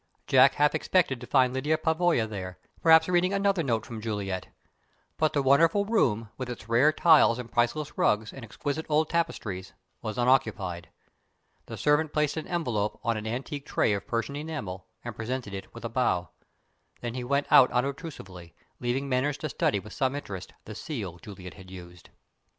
Jack half expected to find Lyda Pavoya there, perhaps reading another note from Juliet; but the wonderful room, with its rare tiles and priceless rugs and exquisite old tapestries, was unoccupied. The servant placed an envelope on an antique tray of Persian enamel, and presented it with a bow. Then he went out unobtrusively, leaving Manners to study with some interest the seal Juliet had used.